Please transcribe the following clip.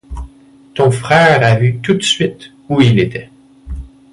Ton frère a vu tout de suite où il était.